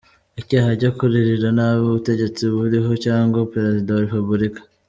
Icyaha cyo kugirira nabi ubutegetsi buriho cyangwa Perezida wa Repubulika